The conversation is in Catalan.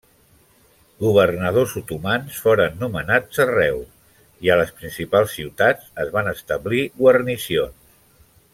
Governadors otomans foren nomenats arreu i a les principals ciutats es van establir guarnicions.